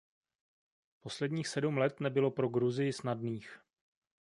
Posledních sedm let nebylo pro Gruzii snadných.